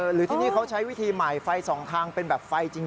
หรือที่นี่เขาใช้วิธีใหม่ไฟสองทางเป็นแบบไฟจริง